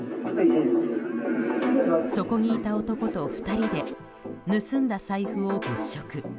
そこにいた男と２人で盗んだ財布を物色。